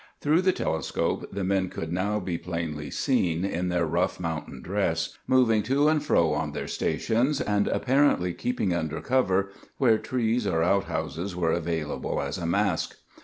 Through the telescope the men could now be plainly seen, in their rough mountain dress, moving to and fro on their stations, and apparently keeping under cover where trees or outhouses were available as a mask.